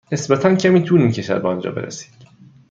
نسبتا کمی طول می کشد به آنجا برسید.